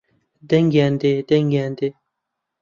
دەنگیان دێ دەنگیان دێ